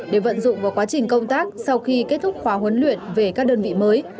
để vận dụng vào quá trình công tác sau khi kết thúc khóa huấn luyện về các đơn vị mới